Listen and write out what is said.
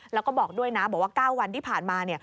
แล้วก็บอกด้วยนะบอกว่า๙วันที่ผ่านมา